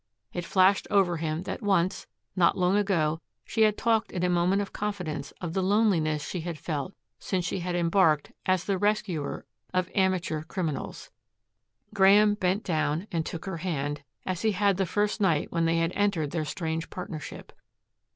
It flashed over him that once, not long ago, she had talked in a moment of confidence of the loneliness she had felt since she had embarked as the rescuer of amateur criminals. Graeme bent down and took her hand, as he had the first night when they had entered their strange partnership.